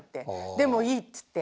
「でもいい」っつって。